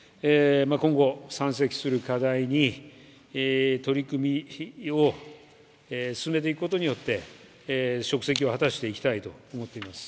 今後山積する課題に取り組みを進めていくことによって、職責を果たしていきたいと思っています。